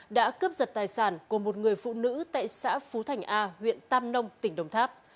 đã cướp giật tài sản của một người phụ nữ tại xã phú thành a huyện tam nông tỉnh đồng tháp